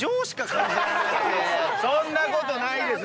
そんなことないです。